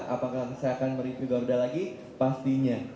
apakah saya akan mereview garuda lagi pastinya